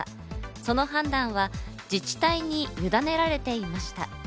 その判断は自治体にゆだねられていました。